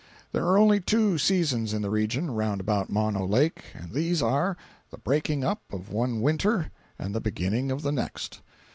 There are only two seasons in the region round about Mono Lake—and these are, the breaking up of one Winter and the beginning of the next.